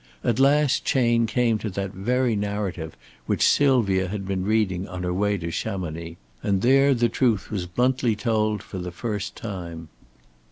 At last Chayne came to that very narrative which Sylvia had been reading on her way to Chamonix and there the truth was bluntly told for the first time.